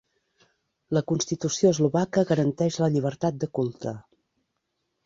La constitució eslovaca garanteix la llibertat de culte.